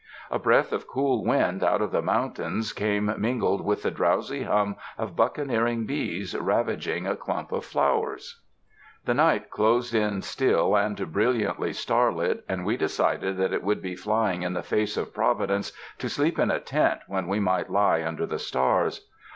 A breath of cool wind out of the mountains came mingled with the drowsy hum of buccaneering bees ravaging a clump of flowers. The night closed in still and brilliantly starlit, and we decided that it would be flying in the face 13 UNDER THE SKY IN CALIFORNIA of Providence to sleep in a tent when we might lie under the stars.